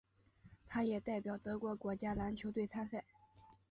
他也代表德国国家篮球队参赛。